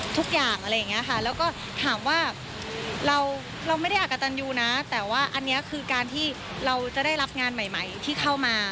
ทุกอย่างอะไรอย่างนี้ค่ะแล้วก็ถามว่าเราไม่ได้อากะตันยูนะแต่ว่าอันนี้คือการที่เราจะได้รับงานใหม่ที่เข้ามา